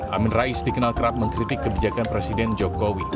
amin rais dikenal kerap mengkritik kebijakan presiden jokowi